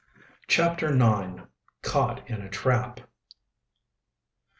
CHAPTER IX. CAUGHT IN A TRAP.